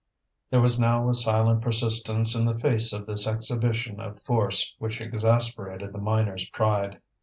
There was now a silent persistence in the face of this exhibition of force which exasperated the miners' pride.